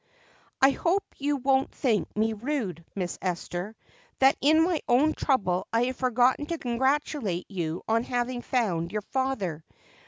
"I hope you won't think me rude, Miss Esther, that in my own trouble I have forgotten to congratulate you on having found your father.